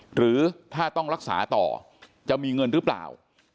หรือถ้าต้องรักษาต่อจะมีเงินหรือเปล่า